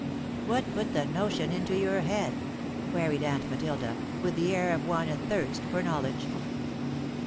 "What put the notion into your head?" queried Aunt Matilda, with the air of one athirst for knowledge.